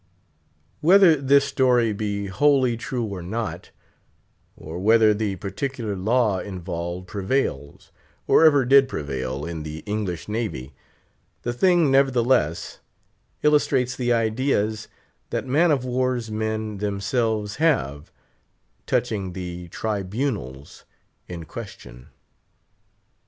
Whether this story be wholly true or not, or whether the particular law involved prevails, or ever did prevail, in the English Navy, the thing, nevertheless, illustrates the ideas that man of war's men themselves have touching the tribunals in question.